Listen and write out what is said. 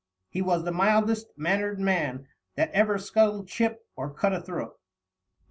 He was the mildest manner'd man That ever scuttled ship or cut a throat. BYRON.